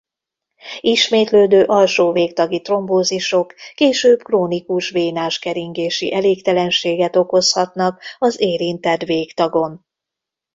Ismétlődő alsó végtagi trombózisok később krónikus vénás keringési elégtelenséget okozhatnak az érintett végtagon.